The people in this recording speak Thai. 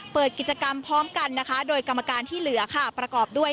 เปิดกิจกรรมพร้อมกันนะคะโดยกรรมการที่เหลือค่ะประกอบด้วย